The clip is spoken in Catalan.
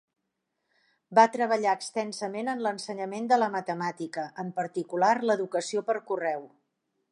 Va treballar extensament en l'ensenyament de la matemàtica, en particular l'educació per correu.